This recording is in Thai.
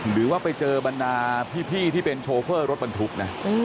หรือว่าไปเจอบรรดาพี่ที่เป็นโชเฟอร์รถบรรทุกนะ